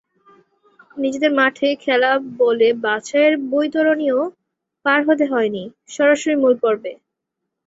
নিজেদের মাঠে খেলা বলে বাছাইয়ের বৈতরণিও পার হতে হয়নি, সরাসরি মূল পর্বে।